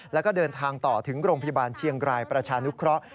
แล้วก็เดินทางต่อถึงโรงพยาบาลเชียงรายประชานุเคราะห์